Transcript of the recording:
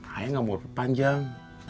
ayah gak mau berpanjang